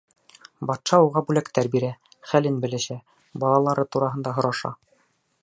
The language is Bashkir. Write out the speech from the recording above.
Батша уға бүләктәр бирә, хәлен белешә, балалары тураһында һораша.